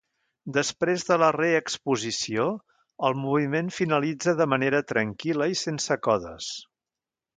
Després de la reexposició, el moviment finalitza de manera tranquil·la i sense codes.